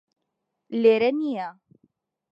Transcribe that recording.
لێرە نییە